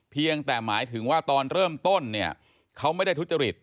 เพียงแต่หมายถึงว่าตอนเริ่มต้นเนี่ยเขาไม่ได้ทุจริต